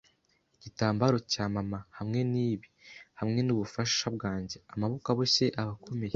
igitambaro cya mama. Hamwe nibi, hamwe nubufasha bwanjye, Amaboko aboshye abakomeye